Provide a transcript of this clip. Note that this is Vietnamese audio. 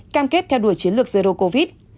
cam kết theo đuổi chiến lược zero covid